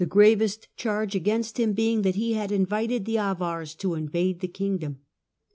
773 799 165 gravest charge against him being that he had invited the Avars to invade the kingdom.